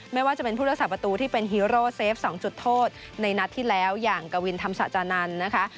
ไม่ว่าจะเป็นผู้รักษาประตูที่เป็นฮีโร่เซฟ๒จุดโทษในนัดที่แล้วอย่างกวินธรรมศาจานันทร์นะคะ